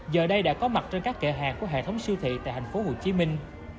giờ đây đã có mặt trên các kệ hàng của hệ thống siêu thị tại thành phố hồ chí minh